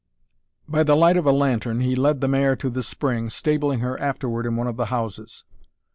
By the light of a lantern he led the mare to the spring, stabling her afterward in one of the houses.